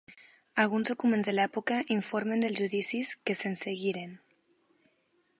Alguns documents de l'època informen dels judicis que se'n seguiren.